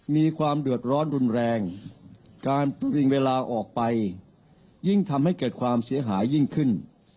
มีความเดือดร้อนรุนแรงการปริงเวลาออกไปยิ่งทำให้เกิดความเสียหายยิ่งขึ้น